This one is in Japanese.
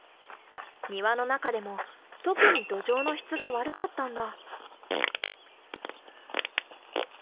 庭の中でも特に土壌の質が悪かったんだ。